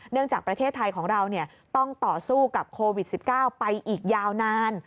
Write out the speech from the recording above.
จากประเทศไทยของเราต้องต่อสู้กับโควิด๑๙ไปอีกยาวนาน